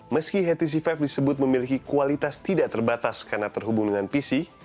meski htc lima disebut memiliki kualitas tidak terbatas karena terhubung dengan pc